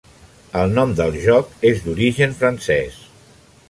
El nom del joc és d'origen francès.